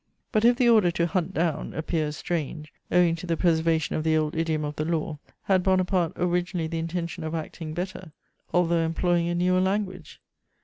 But if the order "to hunt down" appears strange, owing to the preservation of the old idiom of the law, had Bonaparte originally the intention of acting better, although employing a newer language?